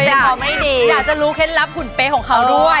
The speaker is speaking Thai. แต่เขาไม่ดีอยากจะรู้เคล็ดลับหุ่นเป๊ะของเขาด้วย